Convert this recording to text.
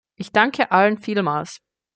Ich danke allen vielmals.